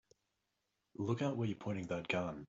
Look out where you're pointing that gun!